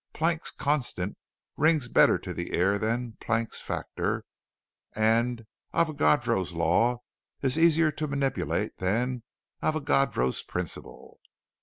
'Planck's Constant' rings better to the ear than 'Planck's Factor' and 'Avogadro's Law' is easier to manipulate than 'Avogadro's Principle.'